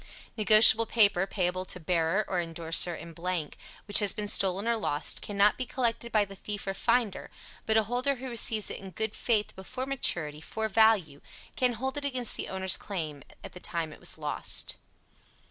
Negotiable paper, payable to bearer or indorser in blank, which has been stolen or lost, cannot be collected by the thief or finder, but a holder who receives it in good faith before maturity, for value, can hold it against the owner's claims at the time it was lost.